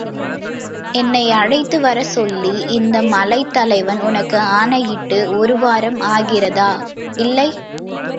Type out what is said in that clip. என்னை அழைத்துவரச் சொல்லி, இந்த மலைத்தலைவன் உனக்கு ஆணையிட்டு ஒருவாரம் ஆகிறதா? இல்லை.